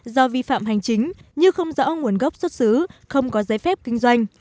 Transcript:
do vi phạm hành chính như không rõ nguồn gốc xuất xứ không có giấy phép kinh doanh